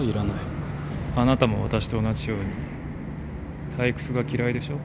あなたも私と同じように退屈が嫌いでしょ？